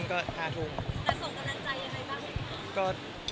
แต่ส่งกำลังใจยังไงบ้าง